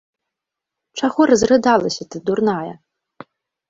Чаго разрыдалася ты, дурная?